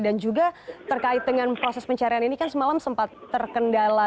dan juga terkait dengan proses pencarian ini kan semalam sempat terkendala